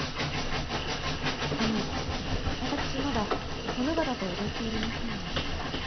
あの私まだ殿方と踊っておりませんが。